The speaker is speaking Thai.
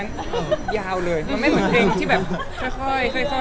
มันมีการมาก